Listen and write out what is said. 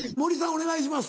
お願いします。